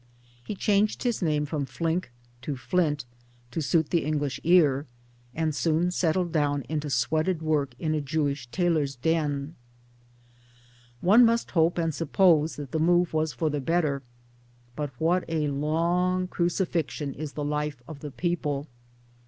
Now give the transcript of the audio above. He changed his name from Flynck to Flint, to suit the English ear, and soon settled down, into sweated work in a Jewish tailors' den. MILLTHORPI AN A i 79 One must hope and suppose that the move was for the better ; but what a long crucifixion is the life of the people